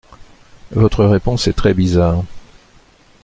Votre réponse est très bizarre.